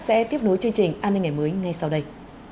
sẽ tiếp nối chương trình an ninh ngày mới ngay sau đây